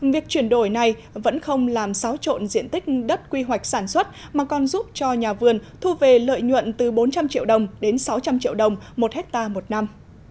việc chuyển đổi này vẫn không làm xáo trộn diện tích đất quy hoạch sản xuất mà còn giúp cho nhà vườn thu về lợi nhuận từ bốn trăm linh triệu đồng đến sáu trăm linh triệu đồng một hectare một năm